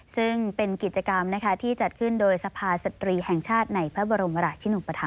ซึ่งเป็นกิจกรรมที่จัดขึ้นโดยสภาสตรีแห่งชาติในพระบรมราชินุปธรรม